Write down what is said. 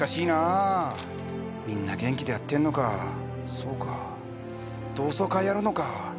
そうか同窓会やるのかあ。